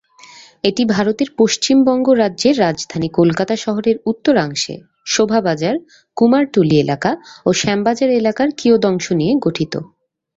এটি ভারতের পশ্চিমবঙ্গ রাজ্যের রাজধানী কলকাতা শহরের উত্তরাংশে শোভাবাজার, কুমারটুলি এলাকা ও শ্যামবাজার এলাকার কিয়দংশ নিয়ে গঠিত।